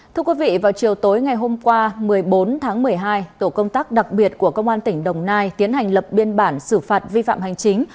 thưa quý vị vào chiều tối ngày hôm qua một mươi bốn tháng một mươi hai tổ công tác đặc biệt của công an tỉnh đồng nai tiến hành lập biên bản xử phạt vi phạm hành chính